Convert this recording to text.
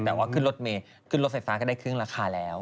แต่ว่าขึ้นรถเมย์ขึ้นรถไฟฟ้าก็ได้ครึ่งราคาแล้ว